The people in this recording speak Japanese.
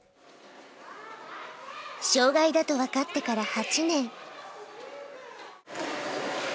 障がいだと分かってから８年。